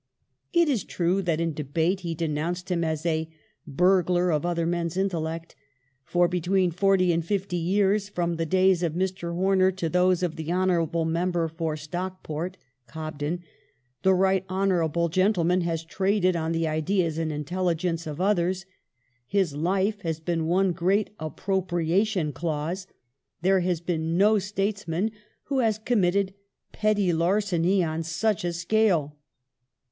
It is true that in debate he denounced him as " a burglar of other men's intellect '\" For between forty and fifty yeai s, from the days of Mr. Horner to those of the honour able member for Stockport (Cobden), the right honourable gentle man has traded on the ideas and intelligence of others. His life has been one great appropriation clause ... there has been no statesman who has committed petty larceny on such a scale."